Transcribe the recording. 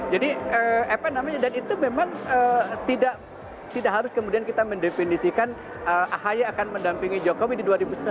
jadi itu memang tidak harus kemudian kita mendefinisikan ahaya akan mendampingi jokowi di dua ribu sembilan belas